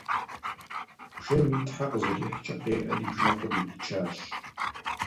Бжэм и тхьэ къызэрихькӏэ къеӏэри бжэкъур иричащ.